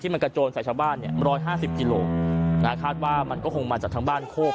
ที่มันกระโจนใส่ชาวบ้านเนี้ยร้อยห้าสิบกิโลน่าคาดว่ามันก็คงมาจากทางบ้านโคก